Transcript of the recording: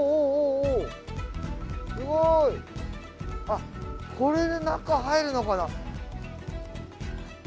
あっこれで中入るのかな？